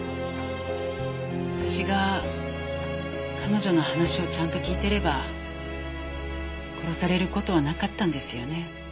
私が彼女の話をちゃんと聞いていれば殺される事はなかったんですよね。